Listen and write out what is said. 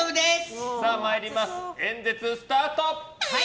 演説スタート！